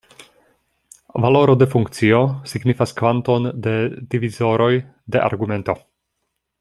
Valoro de funkcio signifas kvanton de divizoroj de argumento.